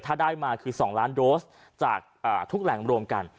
ถ้าได้มาคือ๒ล้านโดสจากทุกแหล่งรวมกัน